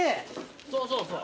そうそうそう。